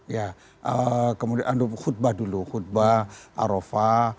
ya kemudian khutbah dulu khutbah arofah